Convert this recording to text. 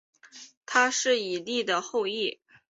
他是以利的后裔。